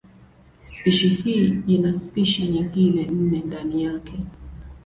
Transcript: Spishi hii ina spishi nyingine nne ndani yake.